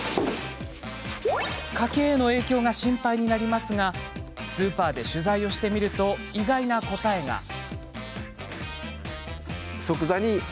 家計への影響が心配になりますがスーパーで取材をしてみると意外な答えが。